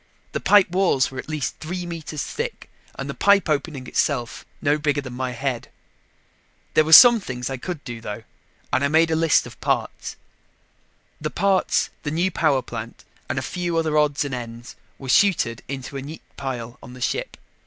The pipe walls were at least three meters thick and the pipe opening itself no bigger than my head. There were some things I could do, though, and I made a list of parts. The parts, the new power plant and a few other odds and ends were chuted into a neat pile on the ship.